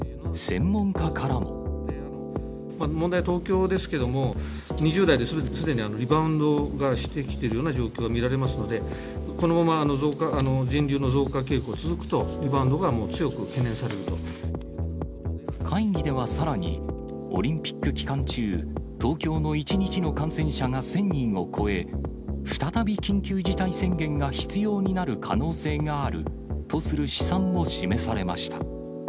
問題は東京ですけども、２０代ですでにリバウンドがしてきているような状況が見られますので、このまま人流の増加傾向が続くと、リバウンドがもう強く懸念される会議ではさらに、オリンピック期間中、東京の１日の感染者が１０００人を超え、再び緊急事態宣言が必要になる可能性があるとする試算も示されました。